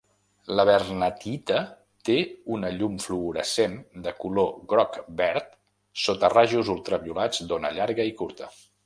L'abernathyita té una llum fluorescent de color groc-verd sota rajos ultraviolats d'ona llarga i curta.